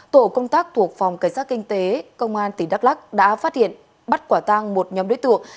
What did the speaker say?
tổ công tác thuộc phòng cảnh sát kinh tế công an tỉnh đắk lắc đã phát hiện bắt quả tang một nhóm đối tượng